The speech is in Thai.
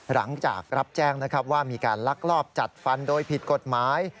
หลังจากรับแจ้งนะครับว่ามีการลักลอบจัดฟันโดยผิดกฎหมาย